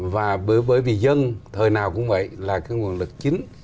và bởi vì dân thời nào cũng vậy là cái nguồn lực chính